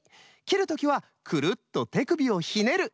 きるときはくるっとてくびをひねる！